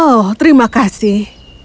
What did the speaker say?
oh terima kasih